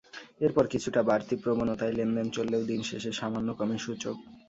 এরপর কিছুটা বাড়তি প্রবণতায় লেনদেন চললেও দিন শেষে সামান্য কমে সূচক।